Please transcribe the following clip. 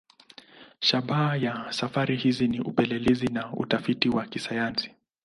Shabaha ya safari hizi ni upelelezi na utafiti wa kisayansi.